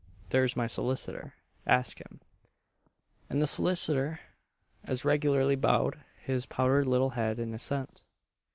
there's my solicitor, ask him;" and the solicitor as regularly bowed his powdered little head in assent.